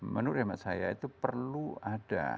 menurut hemat saya itu perlu ada